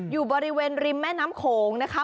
อยู่บริเวณริมแม่น้ำโขงนะคะ